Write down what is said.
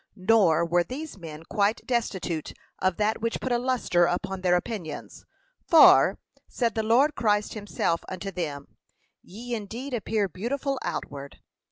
Nor were these men quite destitute of that which put a lustre upon their opinions; for, said the Lord Christ himself unto them, 'Ye indeed appear beautiful outward.'